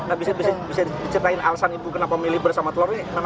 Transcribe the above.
oke bisa diceritain alasan ibu kenapa beli beras sama telur